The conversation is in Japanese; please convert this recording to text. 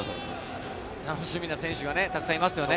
楽しみな選手がたくさんいますよね。